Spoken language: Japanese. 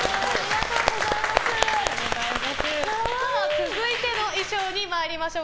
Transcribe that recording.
続いての衣装に参りましょう。